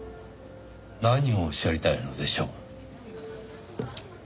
何をおっしゃりたいのでしょう？